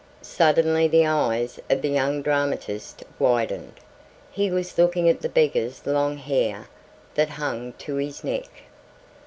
Suddenly the eyes of the young dramatist widened. He was looking at the beggar's long hair that hung to his neck.